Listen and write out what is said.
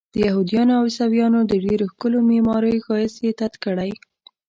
د یهودانو او عیسویانو د ډېرو ښکلیو معماریو ښایست یې تت کړی.